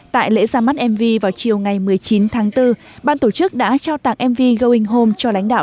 tại lễ ra mắt mv vào chiều ngày một mươi chín tháng bốn ban tổ chức đã trao tặng mv going home cho lãnh đạo